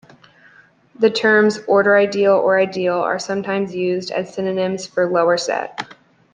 The terms order ideal or ideal are sometimes used as synonyms for lower set.